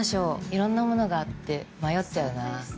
いろんなものがあって迷っちゃうな。